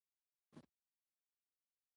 غوماشې د مېوې بوی له لېرې احساسوي.